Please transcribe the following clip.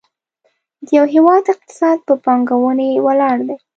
د یو هېواد اقتصاد په پانګونې ولاړ دی.